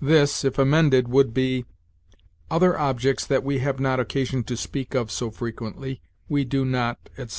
This, if amended, would be: 'other objects that we have not occasion to speak of so frequently, we do not,' etc.